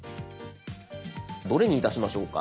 どれにいたしましょうか？